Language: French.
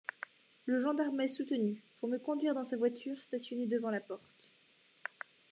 Le gendarme m'a soutenu pour me conduire dans sa voiture stationnée devant la porte.